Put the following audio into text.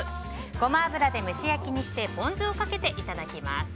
ゴマ油で蒸し焼きにしてポン酢をかけていただきます。